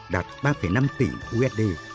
đạt ba năm tỷ usd